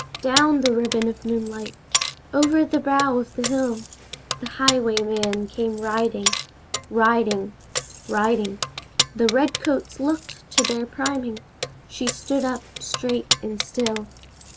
Down the ribbon of moonlight, over the brow of the hill, The highwayman came riding Riding riding The redcoats looked to their priming! She stood up straight and still.